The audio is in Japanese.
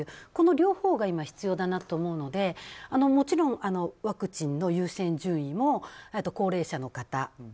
この両方が必要だと思うのでもちろん、ワクチンの優先順位も高齢者の方。